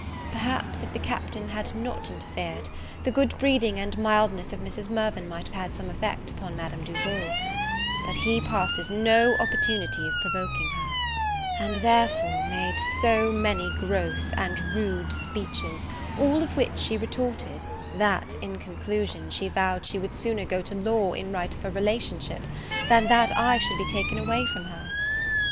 Perhaps, if the Captain had not interfered, the good breeding and mildness of Mrs. Mirvan might have had some effect upon Madame Duval; but he passes no opportunity of provoking her; and therefore made so many gross and rude speeches, all of which she retorted, that, in conclusion, she vowed she would sooner go to law in right of her relationship, than that I should be taken away from her.